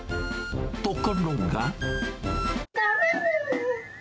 ところが。